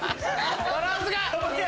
バランスが！